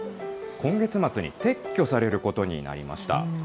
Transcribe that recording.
今月末に撤去されることになりました。